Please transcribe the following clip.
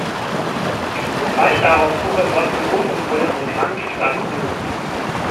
Bald darauf zog er dorthin um und wurde amerikanischer Staatsbürger.